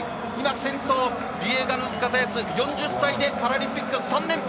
先頭、ビエガノフスカザヤツ４０歳でパラリンピック３連覇！